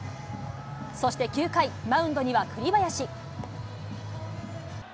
そして９回、マウンドには栗林。